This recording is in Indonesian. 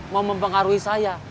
mau mempengaruhi saya